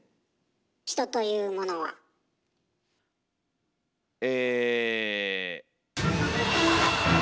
人というものは。え。